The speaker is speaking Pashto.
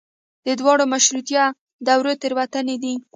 د دواړو مشروطیه دورو تېروتنې دي.